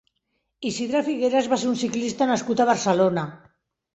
Isidre Figueras va ser un ciclista nascut a Barcelona.